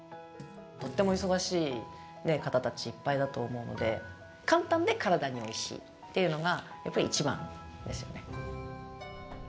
とっても忙しい方たちいっぱいだと思うので簡単で体においしいっていうのがやっぱり一番ですよね。